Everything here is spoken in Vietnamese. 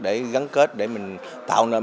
để gắn kết để mình tạo nên